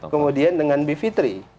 kemudian dengan bivitri